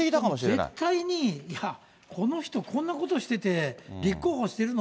絶対に、いや、この人、こんなことしてて立候補してるの？